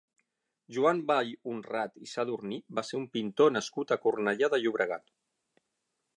Joan Vallhonrat i Sadurní va ser un pintor nascut a Cornellà de Llobregat.